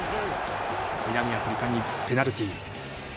南アフリカにペナルティー。